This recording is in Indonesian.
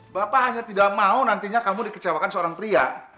bapak hanya tidak mau nantinya kamu dikecewakan seorang pria